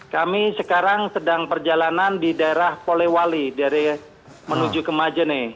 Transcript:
kami sekarang sedang perjalanan di daerah polewali dari menuju ke majene